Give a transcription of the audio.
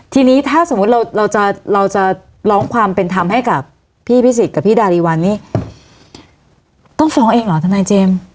ทีนี้ถ้าสมมุติเราจะเราจะร้องความเป็นธรรมให้กับพี่พิสิทธิ์กับพี่ดาริวัลนี่ต้องฟ้องเองเหรอทนายเจมส์